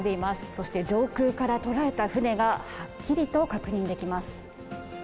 そして上空から捉えた船が、はっきりと確認できます。